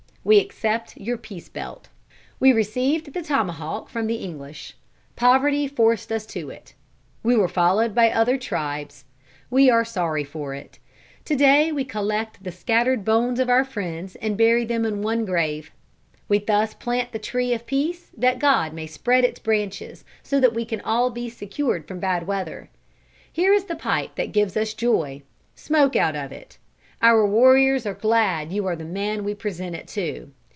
We accept your peace belt. "We received the tomahawk from the English. Poverty forced us to it. We were followed by other tribes. We are sorry for it. To day we collect the scattered bones of our friends and bury them in one grave. We thus plant the tree of peace, that God may spread its branches so that we can all be secured from bad weather. Here is the pipe that gives us joy. Smoke out of it. Our warriors are glad you are the man we present it to.